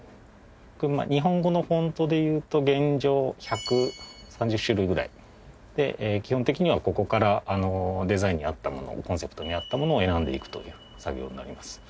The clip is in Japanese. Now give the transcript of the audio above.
日本語のフォントでいうと現状１３０種類ぐらいで基本的にはここからデザインに合ったものをコンセプトに合ったものを選んでいくという作業になります。